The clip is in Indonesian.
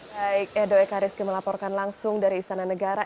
baik edo eka rizky melaporkan langsung dari istana negara